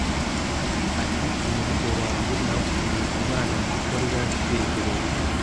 Ati “Umuvugo wanjye nawukuye ku mwana muto wari wazererey